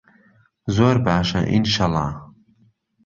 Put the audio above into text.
زۆر باشە ئینشەڵا.